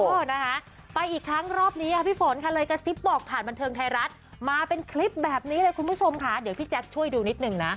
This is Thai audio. นะคะไปอีกครั้งรอบนี้พี่ฝนค่ะเลยกระซิบบอกผ่านบันเทิงไทยรัฐมาเป็นคลิปแบบนี้เลยคุณผู้ชมค่ะเดี๋ยวพี่แจ๊คช่วยดูนิดนึงนะ